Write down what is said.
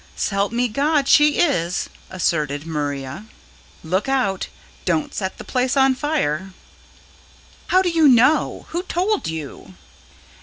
"S'help me God, she is," asserted Maria. "Look out, don't set the place on fire." "How do you know? ... who told you?"